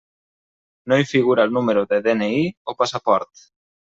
No hi figura el número de DNI o passaport.